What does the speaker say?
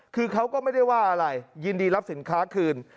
คือเขาก็ไม่ได้ว่าอะไรยินดีรับสินค้าคืน